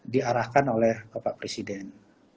diarahkan oleh bapak presiden